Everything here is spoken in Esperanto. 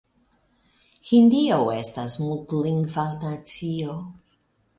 Hindio estas multlingva nacio.